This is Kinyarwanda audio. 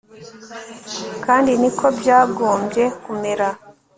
kandi niko byagombye kumera